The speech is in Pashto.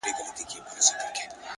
د زړې کلي چتونه د باران غږ بل ډول ساتي!